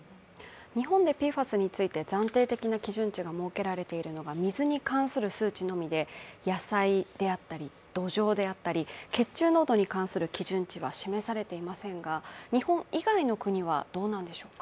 日本でＰＦＡＳについて暫定的な基準値が設けられているのが水に関する数値のみで、野菜であったり、土壌であったり、血中濃度に関する基準値は示されていませんが、日本以外の国はどうなんでしょうか。